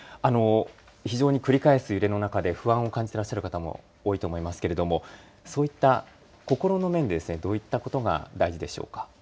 非常に繰り返す揺れの中で不安を感じていらっしゃる方も多いと思いますけれどもそういった心の面でどういったことが大事でしょうか。